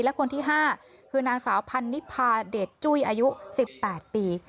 และคนที่๕คือนางสาวพันนิพาเดชจุ้ยอายุ๑๘ปี